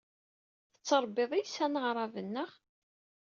Tettṛebbiḍ iysan aɛṛaben, naɣ?